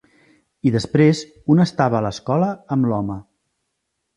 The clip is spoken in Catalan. I després un estava a l'escola amb l'home.